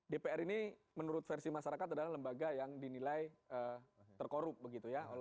dpr ini menurut versi masyarakat adalah lembaga yang dinilai terkorup begitu ya